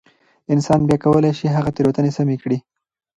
انسان بيا کولای شي هغه تېروتنې سمې کړي.